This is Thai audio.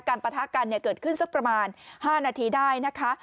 ปะทะกันเกิดขึ้นสักประมาณ๕นาทีได้นะคะ